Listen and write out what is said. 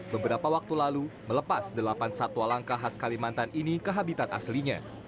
beberapa waktu lalu melepas delapan satwa langka khas kalimantan ini ke habitat aslinya